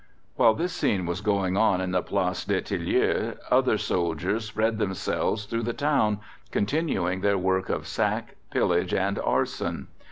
While this scene was going on in the Place des Tilleuls, other soldiers spread themselves through the Town, continuing their work of sack, pillage and arson.